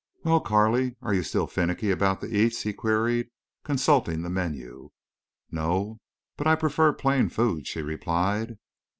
"Well, Carley, are you still finicky about the eats?" he queried, consulting the menu. "No. But I prefer plain food," she replied.